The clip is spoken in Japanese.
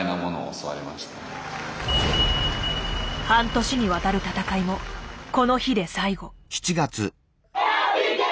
半年にわたる戦いもこの日で最後。